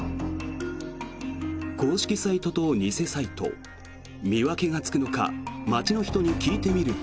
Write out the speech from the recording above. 公式サイトと偽サイト見分けがつくのか街の人に聞いてみると。